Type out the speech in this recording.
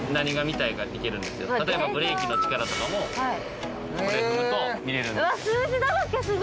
たとえばブレーキの力とかもこれ見られるんですよ。